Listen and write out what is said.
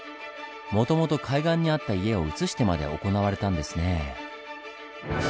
もともと海岸にあった家を移してまで行われたんですねぇ。